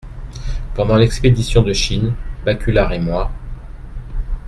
Pendant l’expédition de Chine, Baculard et moi…